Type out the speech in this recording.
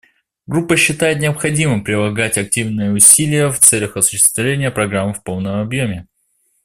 Группа считает необходимым прилагать активные усилия в целях осуществления Программы в полном объеме.